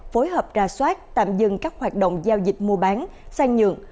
phối hợp ra soát tạm dừng các hoạt động giao dịch mua bán sang nhượng